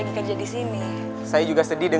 lo mendingan pergi deh